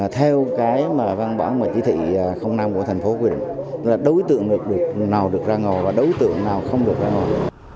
theo cái mà văn bản ngoài chỉ thị năm của thành phố quy định là đối tượng nào được ra ngồi và đối tượng nào không được ra ngồi